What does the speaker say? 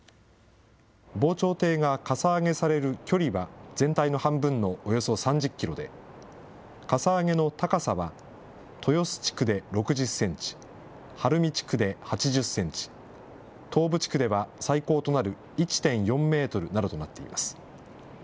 防潮堤がかさ上げされる距離は、全体の半分のおよそ３０キロで、かさ上げの高さは、豊洲地区で６０センチ、晴海地区で８０センチ、東部地区では最高となる１．４メートルなどとなっています。